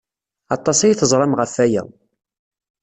Aṭas ay teẓram ɣef waya.